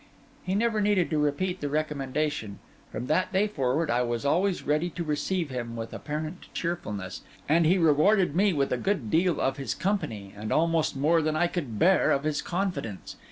He never needed to repeat the recommendation; from that day forward I was always ready to receive him with apparent cheerfulness; and he rewarded me with a good deal of his company, and almost more than I could bear of his confidence.